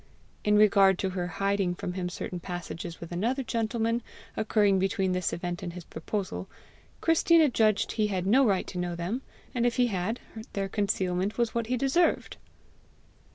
In regard to her hiding from him certain passages with another gentleman, occurring between this event and his proposal, Christina judged he had no right to know them, and if he had, their concealment was what he deserved.